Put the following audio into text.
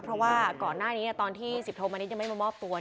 เพราะว่าก่อนหน้านี้ครับตอนที่สิปโภมานิสยังไม่มามอบตัว